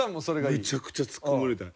めちゃくちゃツッコまれたい。